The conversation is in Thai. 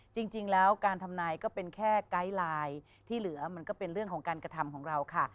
จริงแล้วการทำนายก็เป็นแค่ไกด์ไลน์ที่เหลือมันก็เป็นเรื่องของการกระทำของเราค่ะ